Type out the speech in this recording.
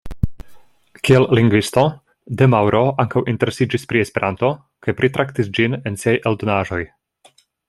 Kiel lingvisto, De Mauro ankaŭ interesiĝis pri Esperanto kaj pritraktis ĝin en siaj eldonaĵoj.